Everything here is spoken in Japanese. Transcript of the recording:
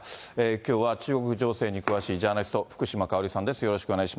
きょうは中国情勢に詳しいジャーナリスト、福島香織さんです。